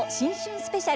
スペシャル」